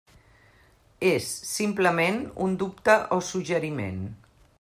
És, simplement, un dubte o suggeriment.